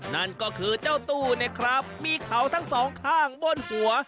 นั่นก็คือเจ้าตู้เนี่ยครับมีเขาทั้งสองข้างบนหัว